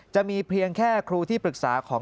จะมีเพียงแค่ครูที่ปรึกษาของ